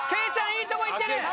いいとこいってる！